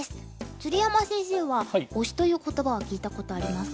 鶴山先生は「推し」という言葉は聞いたことありますか？